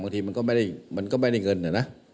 บางทีมันก็ไม่ได้เหมือนก็ไม่ได้เงินเนี่ยนะ